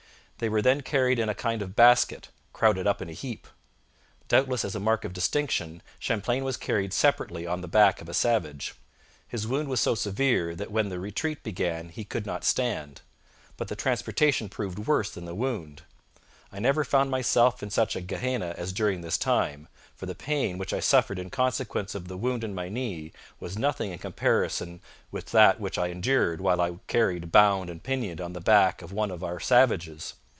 They were then carried in a kind of basket, 'crowded up in a heap.' Doubtless as a mark of distinction, Champlain was carried separately on the back of a savage. His wound was so severe that when the retreat began he could not stand. But the transportation proved worse than the wound. 'I never found myself in such a gehenna as during this time, for the pain which I suffered in consequence of the wound in my knee was nothing in comparison with that which I endured while I was carried bound and pinioned on the back of one of our savages.